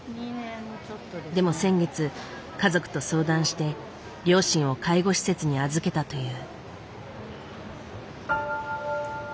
でも先月家族と相談して両親を介護施設に預けたという。